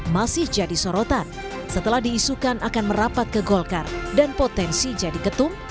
masih jadi sorotan setelah diisukan akan merapat ke golkar dan potensi jadi ketum